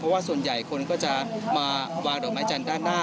เพราะว่าส่วนใหญ่คนก็จะมาวางดอกไม้จันทร์ด้านหน้า